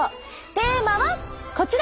テーマはこちら！